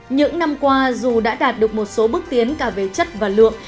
những năm qua dù đã đạt được một số bước tiến cả về chất và lượng